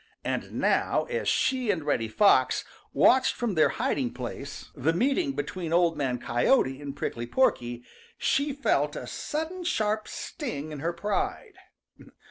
And now, as she and Reddy Fox watched from their hiding place the meeting between Old Man Coyote and Prickly Porky, she felt a sudden sharp sting in her pride.